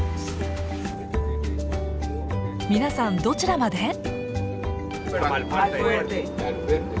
皆さんどちらまで？